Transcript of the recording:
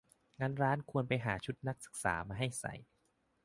งั้นร้านควรไปหาชุดนักศึกษามาให้ใส่